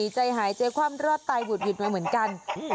ใจหายใจความรอดตายหุดหวิดมาเหมือนกัน